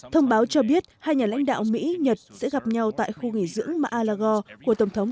thông báo cho biết hai nhà lãnh đạo mỹ nhật sẽ gặp nhau tại khu nghỉ dưỡng malagore của tổng thống